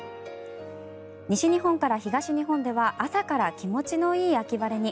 西日本から東日本では朝から気持ちのいい秋晴れに。